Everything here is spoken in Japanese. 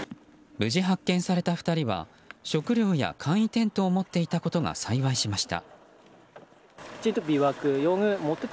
無事発見された２人は食料や簡易テントを持っていたことが幸いしました。